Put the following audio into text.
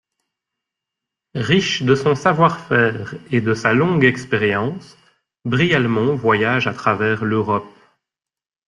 Riche de son savoir-faire et de sa longue expérience, Brialmont voyage à travers l’Europe.